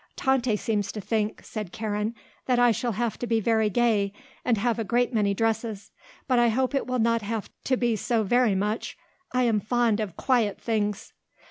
"Tante seems to think," said Karen, "that I shall have to be very gay and have a great many dresses; but I hope it will not have to be so very much. I am fond of quiet things."